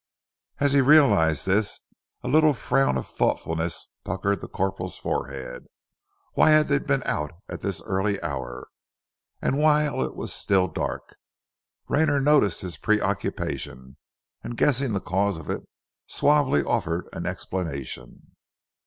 As he realized this a little frown of thoughtfulness puckered the corporal's forehead. Why had they been out at this early hour, and whilst it was still dark? Rayner noticed his pre occupation, and guessing the cause of it, suavely offered an explanation.